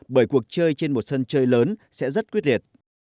bởi cuộc chơi trên một sân chơi lớn sẽ rất quyết liệt